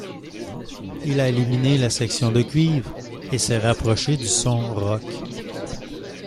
Il a éliminé la section de cuivres et s'est rapproché du son rock.